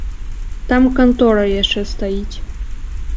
Там кантора яшчэ стаіць.